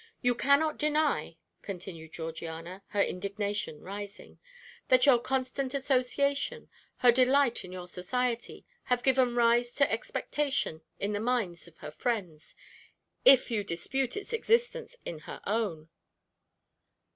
You cannot deny," continued Georgiana, her indignation rising, "that your constant association, her delight in your society, have given rise to expectation in the minds of her friends, if you dispute its existence in her own."